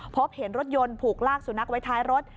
พบเห็นรถยนต์ถูกลากสุนัขไว้ท้ายรถ